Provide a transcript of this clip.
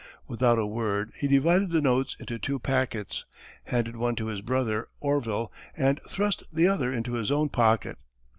Without a word he divided the notes into two packets, handed one to his brother Orville, and thrust the other into his own pocket.